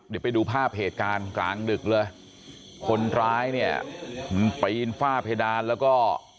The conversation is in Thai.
เดี๋ยวไปดูภาพเหตุการณ์กลางดึกเลยคนร้ายเนี่ยมันปีนฝ้าเพดานแล้วก็